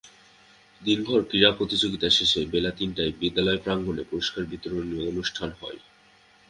দিনভর ক্রীড়া প্রতিযোগিতা শেষে বেলা তিনটায় বিদ্যালয় প্রাঙ্গণে পুরস্কার বিতরণী অনুষ্ঠিত হয়।